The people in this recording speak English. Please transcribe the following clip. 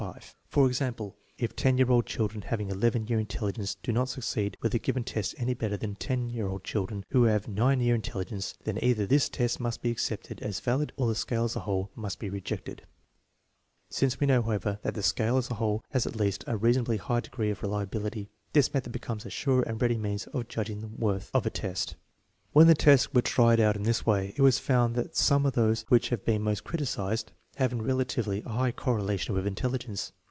For example, if 10 year old children having 11 year intelligence do not succeed with a given test any better than 10 year old chil dren who have 9 year intelligence, then cither this test must be accepted as valid or the scale as a whole must be rejected^) Since we know, however, that the scale as a whole has at least a reasonably high degree of reliability, this method becomes a sure and ready means of judging the worth of a test. When the tests were tried out in this way it was found that some of those which have been most criticised have in real ity a high correlation with intelligence.